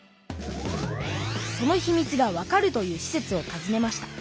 そのひみつがわかるというしせつをたずねました。